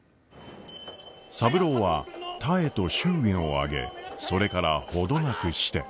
三郎は多江と祝言を挙げそれからほどなくして。